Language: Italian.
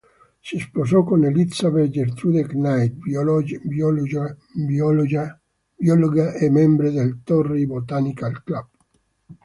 Si sposò con Elizabeth Gertrude Knight, biologa e membro del Torrey Botanical Club.